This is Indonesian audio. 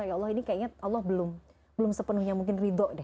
ya allah ini kayaknya allah belum sepenuhnya mungkin ridho deh